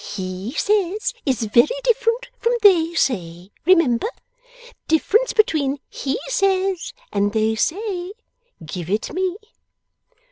He says is very different from they say, remember. Difference between he says and they say? Give it me.